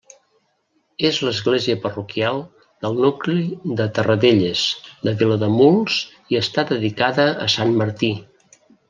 És l'església parroquial del nucli de Terradelles, de Vilademuls i està dedicada a Sant Martí.